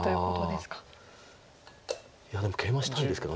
いやでもケイマしたいですけど。